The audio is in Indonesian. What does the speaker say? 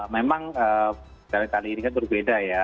memang dalam kali ini kan berbeda ya